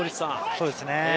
そうですね。